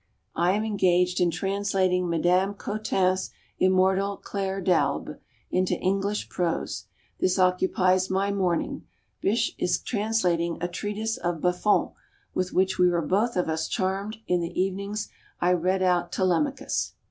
I am engaged in translating Madame Cottin's immortal "Claire D'Albe" into English prose. This occupies my morning. Bysshe is translating a treatise of Buffon, with which we were both of us charmed. In the evenings I read out "Telemachus."